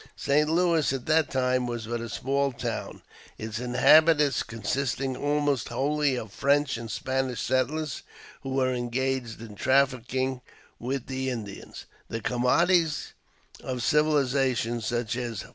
St. Louis, at that time, was but a small town, its inhabitants consisting almost wholly of French and Spanish settlers, who were engaged in trafficking with the Indians the commodities of civilization, such 2i?